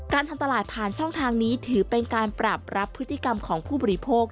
ทำตลาดผ่านช่องทางนี้ถือเป็นการปรับรับพฤติกรรมของผู้บริโภค